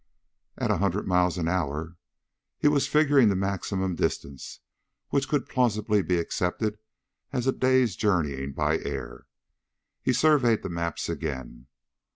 "At a hundred miles in hour...." He was figuring the maximum distance which could plausibly be accepted as a day's journeying by air. He surveyed the maps again.